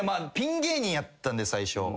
芸人やったんで最初。